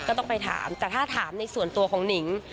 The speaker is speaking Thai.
ก็ต้องไปถามแต่ถ้าถามในส่วนตัวของหนิง